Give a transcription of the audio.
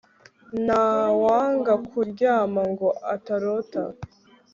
ntawanga kuryama ngo atarota